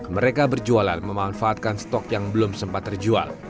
mereka berjualan memanfaatkan stok yang belum sempat terjual